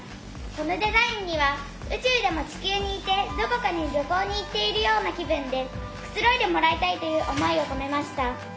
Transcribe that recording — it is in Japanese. このデザインには宇宙でも地球にいてどこかに旅行に行っているような気分でくつろいでもらいたいという思いを込めました。